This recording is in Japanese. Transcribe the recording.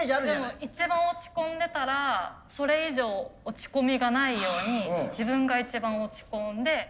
でも一番落ち込んでたらそれ以上落ち込みがないように自分が一番落ち込んで。